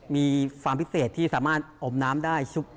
มีความพิเศษที่สามารถอมน้ำได้